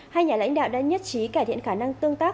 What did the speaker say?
hai nhà lãnh đạo đã nhất trí cải thiện khả năng tương tác